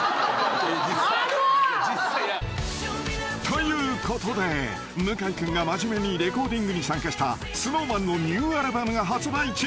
［ということで向井君が真面目にレコーディングに参加したＳｎｏｗＭａｎのニューアルバムが発売中］